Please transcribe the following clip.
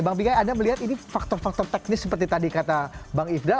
bang pigai anda melihat ini faktor faktor teknis seperti tadi kata bang ifdal